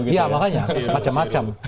iya makanya macam macam